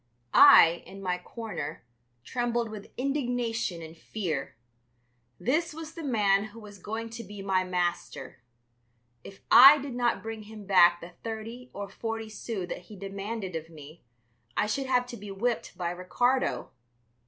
I, in my corner, trembled with indignation and fear. This was the man who was going to be my master. If I did not bring him back the thirty or forty sous that he demanded of me, I should have to be whipped by Ricardo.